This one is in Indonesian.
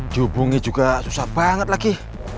dihubungi juga susah banget lagi